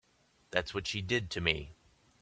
That's what she did to me.